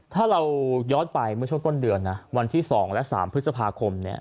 ถ้าเราย้อนไปเมื่อช่วงต้นเดือนนะวันที่๒และ๓พฤษภาคมเนี่ย